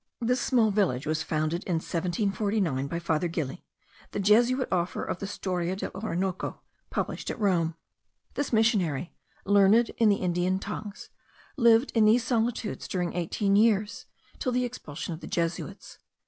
This small village was founded in 1749 by Father Gili, the Jesuit, author of the Storia dell' Orinoco, published at Rome. This missionary, learned in the Indian tongues, lived in these solitudes during eighteen years, till the expulsion of the Jesuits.